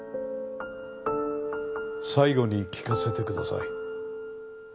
最後に聞かせてください。